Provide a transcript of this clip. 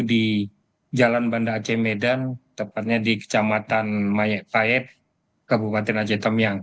di jalan banda aceh medan tepatnya di kecamatan mayek payet kabupaten aceh temyang